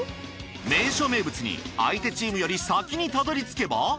名所名物に相手チームより先にたどり着けば。